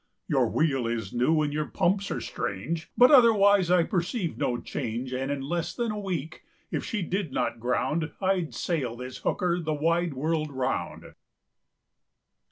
"Your wheel is new and your pumps are strange, But otherwise I perceive no change; And in less than a week, if she did not ground, I'd sail this hooker the wide world round!"